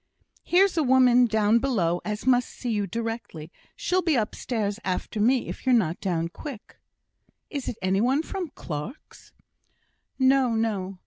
"Here's a woman down below as must see you directly. She'll be upstairs after me if you're not down quick." "Is it any one from Clarke's?" "No, no!